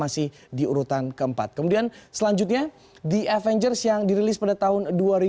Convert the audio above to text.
selanjutnya the avengers yang dirilis pada tahun dua ribu dua belas